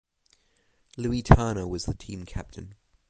Louis Turner was the team captain.